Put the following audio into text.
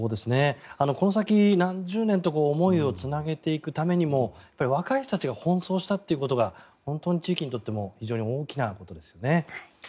この先、何十年と思いをつなげていくためにも若い人が奔走したというのが本当に地域にとっても非常に大きなことですよね。